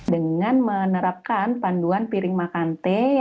dengan menerapkan panduan piring makan teh